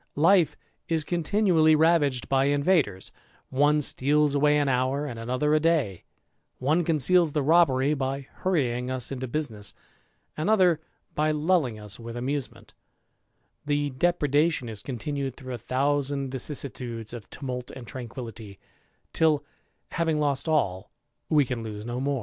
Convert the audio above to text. Life is ontinually ravaged by invaders ; one steals away an hour, nd another a day ; one conceals the robbery by hurrying s into business, another by lulling us with amusement; [le depredation is continued through a thousand vicissi iides of tumult and tranquillity, till, having lost all, we can >se no more.